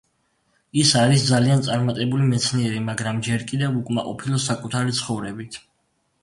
ის არის ძალიან წარმატებული მეცნიერი, მაგრამ ჯერ კიდევ უკმაყოფილო საკუთარი ცხოვრებით.